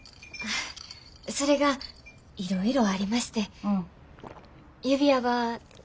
それがいろいろありまして指輪は２週間後。